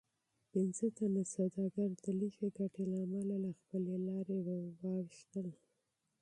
پنځه تنه سوداګر د لږې ګټې له امله له خپلې لارې واوښتل.